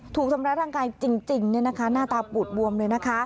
ถูกทำร้ายร่างกายจริงหน้าตาปูดบวมเลยนะคะ